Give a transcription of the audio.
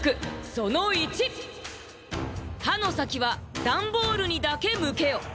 「はのさきはダンボールにだけむけよ！」。